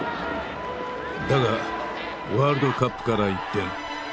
だがワールドカップから一転。